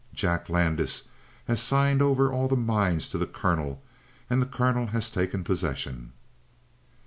Jack Landis has signed over all the mines to the colonel and the colonel has taken possession."